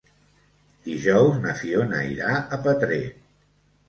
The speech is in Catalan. Dijous na Fiona irà a Petrer.